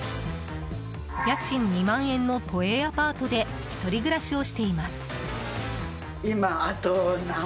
家賃２万円の都営アパートで１人暮らしをしています。